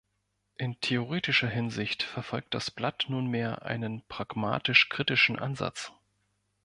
In theoretischer Hinsicht verfolgt das Blatt nunmehr einen pragmatisch-kritischen Ansatz.